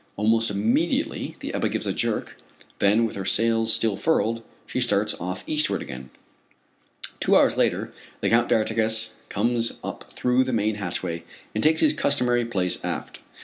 Almost immediately the Ebba gives a jerk, then with her sails still furled, she starts off eastward again. Two hours later the Count d'Artigas comes up through the main hatchway and takes his customary place aft.